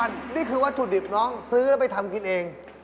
นี่คือวัตถุดิบน้องซื้อแล้วไปทำกินเอง